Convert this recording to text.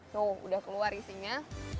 tuh udah keluar isinya